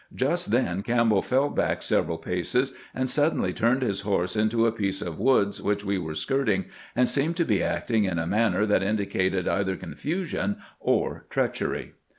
Just then Campbell fell back several paces and sud denly turned his horse into a piece of woods which we were skirting, and seemed to be acting in a manner that indicated either confusion or treachery.